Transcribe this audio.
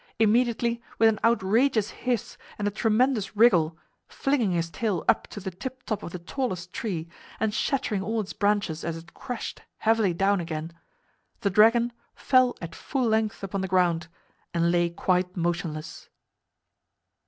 Immediately, with an outrageous hiss and a tremendous wriggle flinging his tail up to the tip top of the tallest tree and shattering all its branches as it crashed heavily down again the dragon fell at full length upon the ground and lay quite motionless.